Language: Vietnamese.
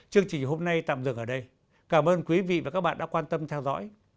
chương trình hôm nay tạm dừng ở đây cảm ơn quý vị và các bạn đã quan tâm theo dõi